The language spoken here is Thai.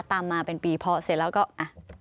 ตามมาเป็นปีพอเสร็จแล้วก็อ่ะ